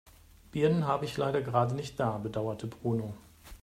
Birnen habe ich leider gerade nicht da, bedauerte Bruno.